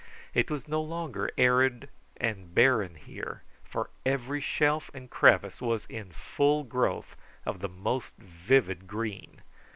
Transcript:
It was no longer arid and barren here, for every shelf and crevice was full of growth of the most vivid green.